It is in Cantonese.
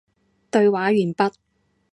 對話完畢